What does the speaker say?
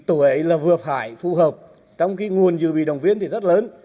tuổi ấy là vừa phải phù hợp trong cái nguồn dự bị đồng viên thì rất lớn